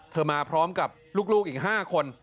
มาพร้อมกับลูกอีก๕คน